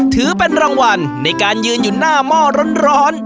ถือเป็นรางวัลในการยืนอยู่หน้าหม้อร้อน